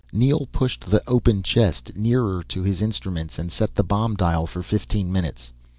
Neel pushed the open chest nearer to his instruments and set the bomb dial for fifteen minutes.